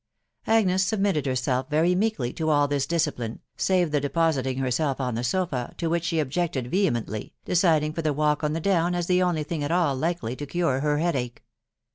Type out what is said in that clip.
Agnes submitted herself very meekly to all this dsnafine, save the depositing herself on the sofa, to which she otyastol vehemently, deciding for the walk on the down as she oafy thing at all likely to cure her headache.